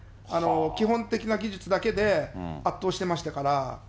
基本的な技術だけで圧倒してましたから。